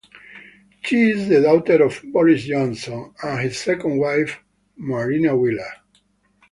She is the daughter of Boris Johnson and his second wife Marina Wheeler.